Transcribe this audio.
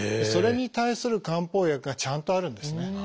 それに対する漢方薬がちゃんとあるんですね。